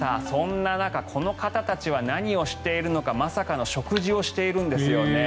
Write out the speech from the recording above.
そんな中この方たちは何をしているのかまさかの食事をしているんです。